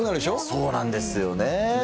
そうなんですよね。